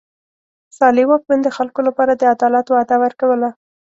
صالح واکمن د خلکو لپاره د عدالت وعده ورکوله.